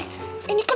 ini kan ibu baru